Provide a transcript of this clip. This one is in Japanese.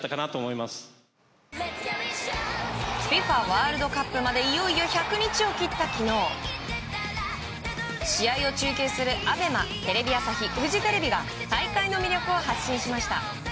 ＦＩＦＡワールドカップまでいよいよ１００日を切った昨日試合を中継するＡＢＥＭＡテレビ朝日、フジテレビが大会の魅力を発信しました。